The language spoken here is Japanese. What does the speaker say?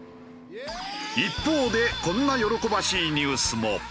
一方でこんな喜ばしいニュースも。